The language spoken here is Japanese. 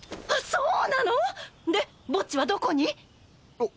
あっそうなの！？でボッジはどこに？